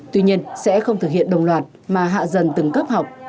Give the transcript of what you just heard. tuy nhiên sẽ không thực hiện đồng loạt mà hạ dần từng cấp học